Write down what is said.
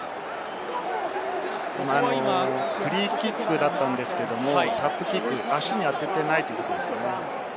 フリーキックだったんですけれど、タップキック、足に当てていないということですね。